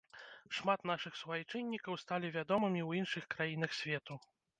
Шмат нашых суайчыннікаў сталі вядомымі ў іншых краінах свету.